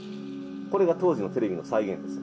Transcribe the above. これが当時のテレビの再現です。